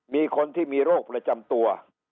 มีคนที่มีโรคประจำตัว